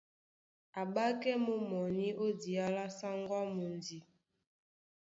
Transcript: A ́ɓákɛ́ mú mɔní ó diá lá sáŋgó á mundi.